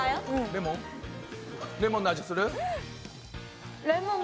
レモンの味する？